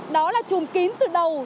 đó là chùm kín từ đầu